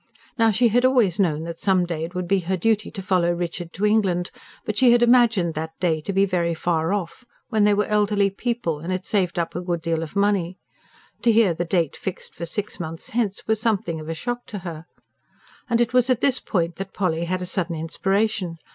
Now she had always known that someday it would be her duty to follow Richard to England. But she had imagined that day to be very far off when they were elderly people, and had saved up a good deal of money. To hear the date fixed for six months hence was something of a shock to her. And it was at this point that Polly had a sudden inspiration.